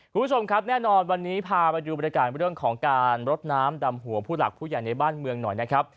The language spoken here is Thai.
คุณผู้ชมครับแน่นอนวันนี้พาไปดูบริการเรื่องของการรดน้ำดำหัวผู้หลักผู้ใหญ่ในบ้านเมืองหน่อยนะครับ